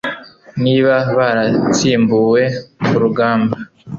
niba baratsimbuwe ku rugamba